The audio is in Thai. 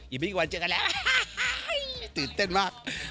อีกไม่กี่วันเจอกันแล้วไม่ตื่นเต้นมาก